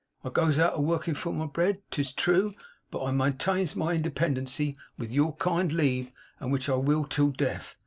I goes out workin' for my bread, 'tis true, but I maintains my independency, with your kind leave, and which I will till death.